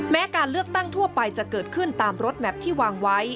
แม้การเลือกตั้งทั่วไปจะเกิดขึ้นตามรถแมพที่วางไว้